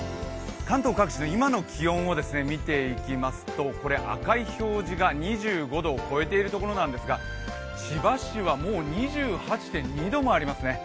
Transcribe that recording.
関東各地の今の気温を見ていきますと、これ赤い表示が２５度を超えているところなんですが千葉市はもう２８．２度もありますね。